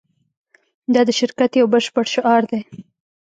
دا د شرکت یو بشپړ شعار دی